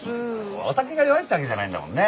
お酒が弱いってわけじゃないんだもんね。